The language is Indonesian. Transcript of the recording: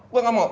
gue gak mau